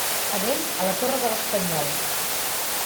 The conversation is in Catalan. Anem a la Torre de l'Espanyol.